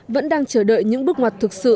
vẫn đang chờ đợi những bước ngoặt thực sự